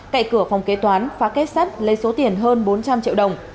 cậy cửa phòng kế toán phá kết sắt lấy số tiền hơn bốn trăm linh triệu đồng